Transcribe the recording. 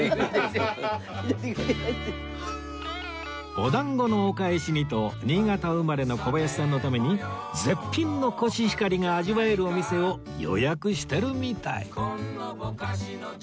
お団子のお返しにと新潟生まれの小林さんのために絶品のコシヒカリが味わえるお店を予約してるみたい